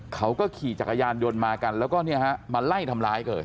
เขาก็ขี่จักรยานยนต์มากันแล้วก็เนี่ยฮะมาไล่ทำร้ายเลย